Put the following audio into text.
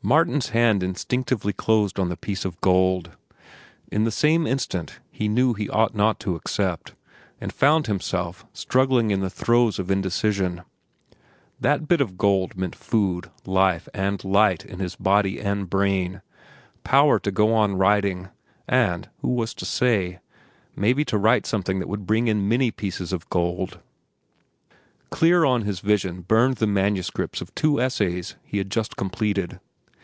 Martin's hand instinctively closed on the piece of gold. In the same instant he knew he ought not to accept, and found himself struggling in the throes of indecision. That bit of gold meant food, life, and light in his body and brain, power to go on writing, and—who was to say?—maybe to write something that would bring in many pieces of gold. Clear on his vision burned the manuscripts of two essays he had just completed.